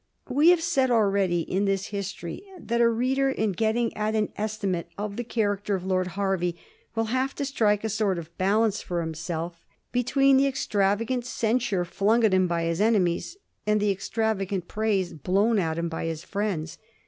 We have said already in, this history that a reader, in getting at an estimate of the character of Lord Hervey, will have to strike a sort of balance for himself between 6 A niSTOBT OF THE FOUR GEORGES. cb. zxi. tho extravagant censure flung at him by his enemies and the extravagant praise blown to him by his friends.